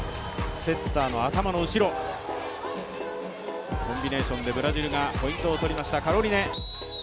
セッターの頭の後ろ、コンビネーションでブラジルがポイントを取りました。